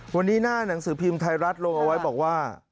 วันนี้หน้าหนังสือพิมพ์ไทยรัฐลงเอาไว้บอกว่า